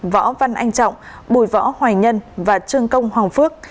võ văn anh trọng bùi võ hoài nhân và trương công hoàng phước